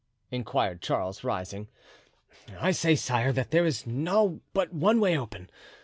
inquired Charles, rising. "I say, sire, that there is now but one way open.